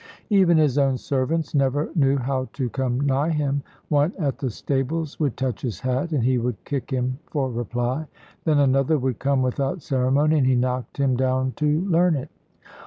Even his own servants never knew how to come nigh him. One at the stables would touch his hat, and he would kick him for reply; then another would come without ceremony, and he knocked him down to learn it.